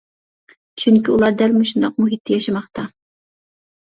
چۈنكى ئۇلار دەل مۇشۇنداق مۇھىتتا ياشىماقتا.